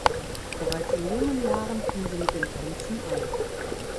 Bereits in jungen Jahren fing sie mit dem Tanzen an.